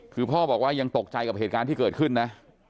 คือพ่อบอกว่ายังตกใจกับเหตุการณ์ที่เกิดขึ้นนะ